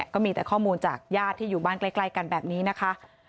ก็มีแต่ข้อมูลจากญาติที่อยู่บ้านใกล้กันแบบนี้นะคะ